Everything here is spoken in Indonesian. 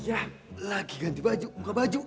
ya lagi ganti baju buka baju